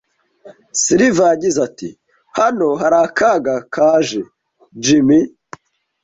Silver yagize ati: "Hano hari akayaga kaje, Jim"